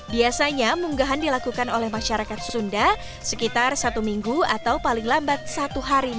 biasanya munggahan dilakukan oleh masyarakat sunda sekitar satu minggu atau paling lambat satu hari